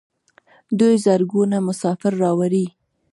دوی زرګونه مسافر راوړي.